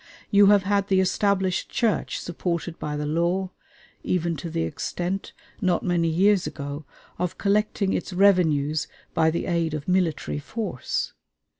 You have had the Established Church supported by the law, even to the extent, not many years ago, of collecting its revenues by the aid of military force.